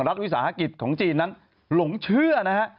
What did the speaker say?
รัฐวิสาหกิจของจีนนั้นหลงเชื่อนะฮะ